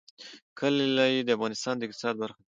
کلي د افغانستان د اقتصاد برخه ده.